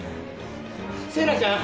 星名ちゃん？